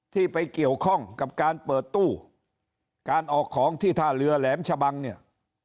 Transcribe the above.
ที่ไปเกี่ยวข้องกับการเปิดตู้การออกของที่ท่าเรือแหลมชะบังเนี่ย